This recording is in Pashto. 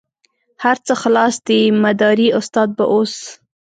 هر څه خلاص دي مداري استاد به اوس.